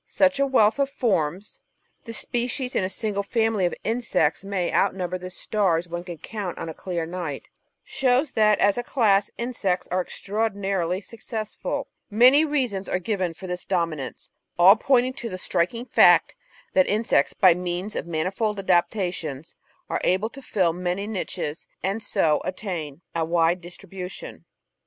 Such a wealth of forms — ^the species in a single family of insects may outnumber the stars one can count on a clear night — shows that, as a class, Insects are extraordinarily successful. Many reasons are given for this dominance, all pointing to the striking fact that insects, by means of manifold adaptations, are able to fill many niches, and so attain a wide distribution.